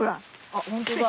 あっ本当だ。